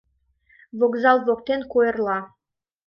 Вокзал воктен куэрла.